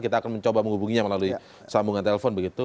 kita akan mencoba menghubunginya melalui sambungan telepon begitu